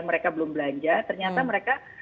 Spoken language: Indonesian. mereka belum belanja ternyata mereka